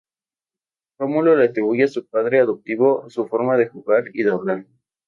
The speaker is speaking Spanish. Rómulo le atribuye a su padre adoptivo su forma de jugar y de hablar.